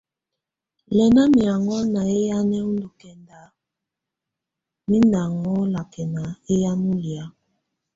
Lɛna miaŋgɔ̀á ná ɛyanɛ ɔ́ ndù kɛnda, mɛ̀ ndɔ̀ angɔ̀á lakɛna ɛyanɛ ù lɛ̀á.